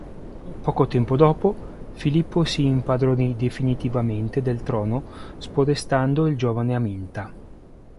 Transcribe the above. Poco tempo dopo, Filippo si impadronì definitivamente del trono, spodestando il giovane Aminta.